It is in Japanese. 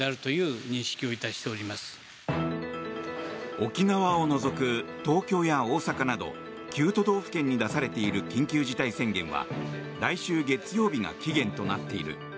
沖縄を除く東京や大阪など９都道府県に出されている緊急事態宣言は来週月曜日が期限となっている。